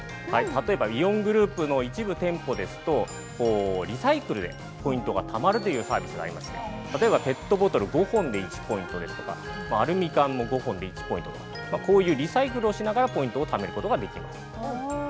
例えば、イオングループの一部店舗ですと、リサイクルでポイントがたまるというサービスがありまして、例えばペットボトル５本で１ポイントですとかアルミ缶も５本で１ポイントとか、こういうリサイクルをしながらポイントをためることができます。